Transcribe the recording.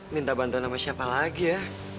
minta bantuan sama siapa lagi ya